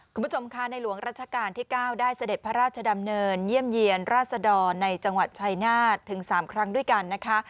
คุณผู้ชมค่ะในหลวงรัชกาลที่๙ได้เสด็จพระราชดำเนินเยี่ยมเยี่ยนราษดรในจังหวัดชายนาฏถึง๓ครั้งด้วยกันนะคะ